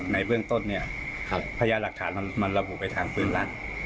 ในเบื้องต้นเนี่ยพยานหลักฐานมันระบุไปทางปืนรัฐ